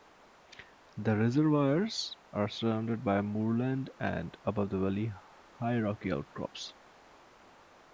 The reservoirs are surrounded by moorland and, above the valley, high rocky outcrops.